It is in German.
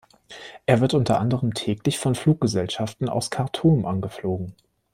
Er wird unter anderem täglich von Fluggesellschaften aus Khartoum angeflogen.